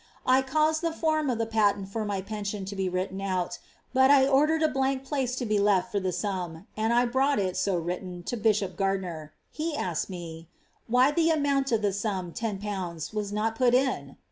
I caused the form of the patent for my penifion to be written out, but I ordered a blank place to be left for tlie sum, and I brought it so written to bishop Gardiner; he asked me, ^ Why the amount of the sum, ten pounds, was not put in